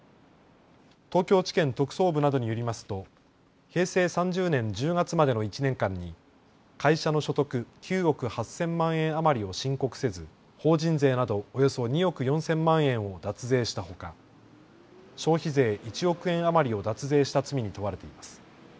東京地検特捜部などによりますと平成３０年１０月までの１年間に会社の所得９億８０００万円余りを申告せず法人税などおよそ２億４０００万円を脱税したほか、消費税１億円余りを脱税した罪に問われています。